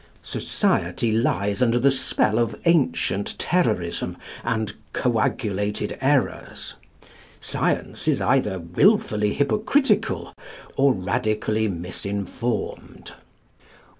Society lies under the spell of ancient terrorism and coagulated errors. Science is either wilfully hypocritical or radically misinformed.